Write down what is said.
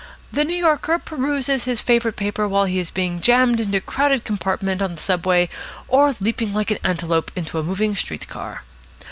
The New Yorker peruses his favourite paper while he is being jammed into a crowded compartment on the subway or leaping like an antelope into a moving Street car.